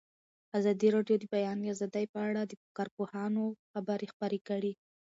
ازادي راډیو د د بیان آزادي په اړه د کارپوهانو خبرې خپرې کړي.